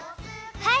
はい。